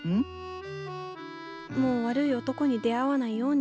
もう悪い男に出会わないように。